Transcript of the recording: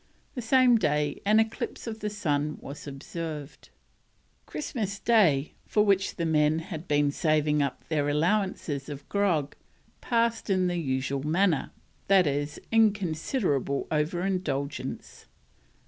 The same day an eclipse of the sun was observed. Christmas Day, for which the men had been saving up their allowances of grog, passed in the usual manner, that is, in considerable over indulgence.